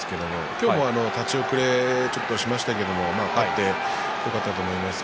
今日も立ち遅れちょっとしましたけど勝ってよかったと思います。